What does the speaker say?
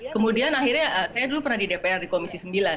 kemudian akhirnya saya dulu pernah di dpr di komisi sembilan